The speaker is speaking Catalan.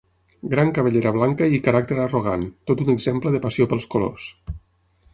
Gran cabellera blanca i caràcter arrogant, tot un exemple de passió pels colors.